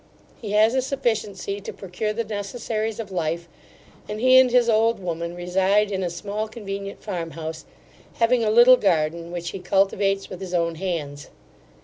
He has a sufficiency to procure the necessaries of life; and he and his old woman reside in a small convenient farm house, having a little garden which he cultivates with his own hands.